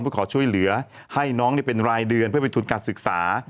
เพื่อขอช่วยเหลือให้น้องเป็นรายเดือนเพื่อเป็นทุนการศึกษา